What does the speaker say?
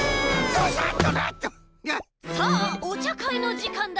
さあおちゃかいのじかんだ。